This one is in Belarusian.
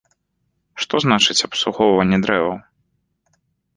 Што значыць, абслугоўванне дрэваў?